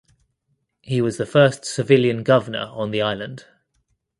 He was the first civilian governor on the island.